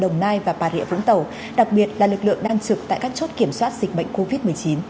đồng nai và bà rịa vũng tàu đặc biệt là lực lượng đang trực tại các chốt kiểm soát dịch bệnh covid một mươi chín